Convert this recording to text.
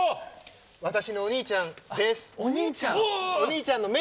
私のお兄ちゃんです。